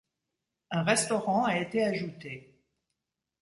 Un restaurant a été ajouté.